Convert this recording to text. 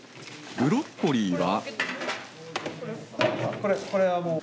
ブロッコリーは。